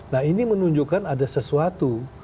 nah ini menunjukkan ada sesuatu